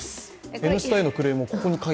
「Ｎスタ」へのクレームをここに。